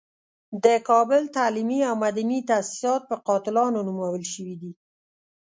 د کابل تعلیمي او مدني تاسیسات په قاتلانو نومول شوي دي.